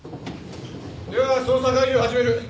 では捜査会議を始める。